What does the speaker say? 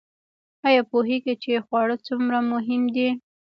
ایا پوهیږئ چې خواړه څومره مهم دي؟